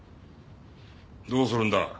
どうするんだ？